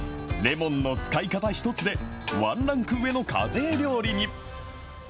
レモンの使い方一つで、ワンランク上の家庭料理に。